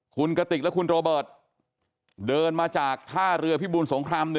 คุณกติกและคุณโรเบิร์ตเดินมาจากท่าเรือพิบูลสงคราม๑